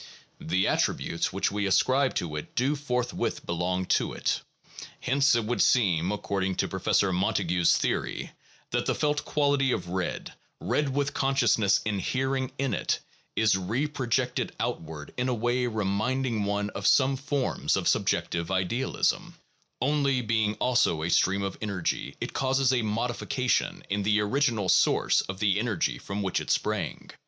The attributes which we ascribe to it do forthwith belong to it. Hence it would seem, according to Professor Montague's theory, that the felt quality of red, red with consciousness inhering in it, is reprojected outward in a way reminding one of some forms of subjective idealism — only, be ing also a stream of energy, it causes a modification in the original source of the energy from which it sprang.